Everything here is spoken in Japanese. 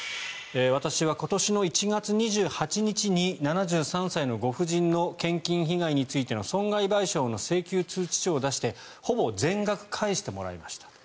私は今年の１月２８日に７３歳のご婦人の献金被害についての損害賠償の請求通知書を出してほぼ全額返してもらいました。